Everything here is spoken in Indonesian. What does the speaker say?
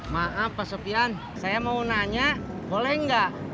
maaf pak sofian saya mau nanya boleh nggak